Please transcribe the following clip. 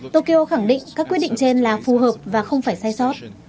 tokyo khẳng định các quyết định trên là phù hợp và không phải sai sót